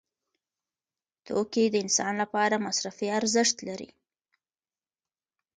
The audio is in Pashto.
توکي د انسان لپاره مصرفي ارزښت لري.